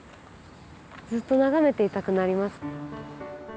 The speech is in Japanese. ずっと眺めていたくなります。